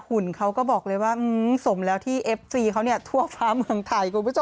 หุ่นเขาก็บอกเลยว่าสมแล้วที่เอฟซีเขาเนี่ยทั่วฟ้าเมืองไทยคุณผู้ชม